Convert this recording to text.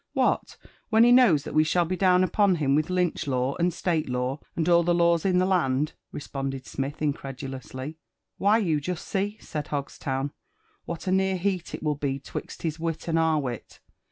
What, when he knows that we shall be down upon him with Lynch law, and Stale law, and all the laws in the land?" responded Smith incredulously. " Why, you jest see," said Hogstown, what a near heat it will be 'twixl his wit and our wit.